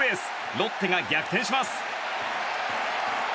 ロッテが逆転します。